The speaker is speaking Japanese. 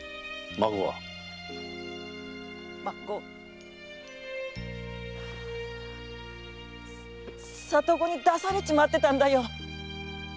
孫は里子に出されちまってたんだよ。